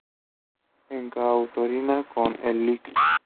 En coautoría con el Lic.